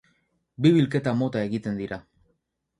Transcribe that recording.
Bi bilketa mota egiten dira.